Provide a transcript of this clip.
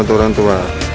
bantu orang tua